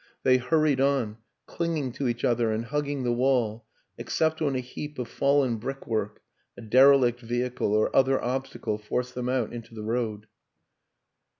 They hurried on, clinging to each other and hugging the wall except when a heap of fallen brickwork, a derelict vehicle or other ob stacle forced them out into the road.